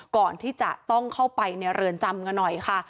ก่อนที่จะต้องเข้าไปในเรือนจำกันหน่อยค่ะ